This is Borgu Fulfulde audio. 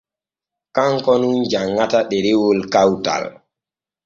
Kanko nun janŋata ɗerewol kawtal.